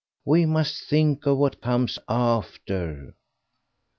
We must think of what comes after."